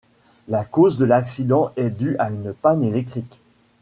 La cause de l'accident est due à une panne électrique.